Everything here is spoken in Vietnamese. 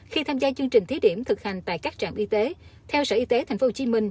khi tham gia chương trình thí điểm thực hành tại các trạm y tế theo sở y tế tp hcm